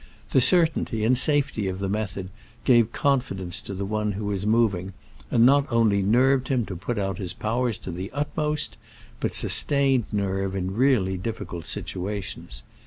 The certainty and safety of the method gave confidence to the one who was moving, and not only nerved him to put out his powers to the utmost, but sustained nerve in really difficult situa tions.